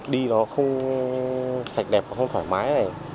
đi nó không sạch đẹp không thoải mái